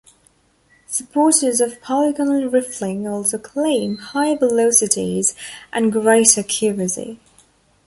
Supporters of polygonal rifling also claim higher velocities and greater accuracy.